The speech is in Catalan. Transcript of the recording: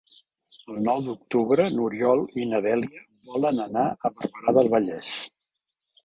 El nou d'octubre n'Oriol i na Dèlia volen anar a Barberà del Vallès.